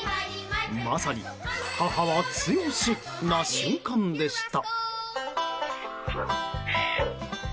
まさに母は強しな瞬間でした。